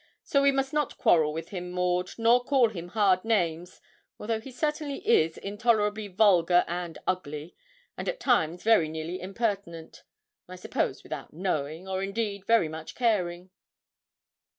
So we must not quarrel with him, Maud, nor call him hard names, although he certainly is intolerably vulgar and ugly, and at times very nearly impertinent I suppose without knowing, or indeed very much caring.'